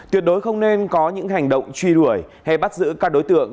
tuyệt đối không nên có những hành động truy đuổi hay bắt giữ các đối tượng